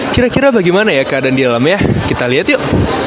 kira kira bagaimana ya keadaan di dalamnya kita lihat yuk